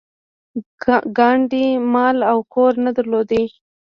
ګاندي مال او کور نه درلود.